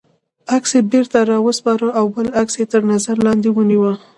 عکس یې بېرته را و سپاره او بل عکس یې تر نظر لاندې ونیوه.